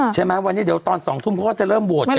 ใช่ไหมวันนี้เดี๋ยวตอน๒ทุ่มเขาก็จะเริ่มโหวตกัน